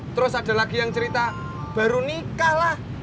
terus ada lagi yang cerita baru nikah lah